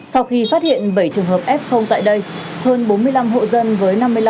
sau khi phát hiện bảy trường hợp f tại đây